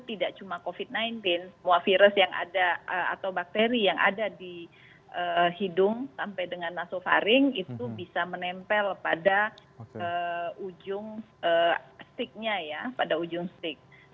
tidak cuma covid sembilan belas semua virus atau bakteri yang ada di hidung sampai dengan nasofaring itu bisa menempel pada ujung sticknya